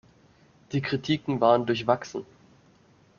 Die Kritiken waren durchwachsen.